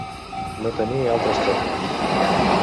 No tenir altres tornes.